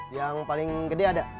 yang paling gede ada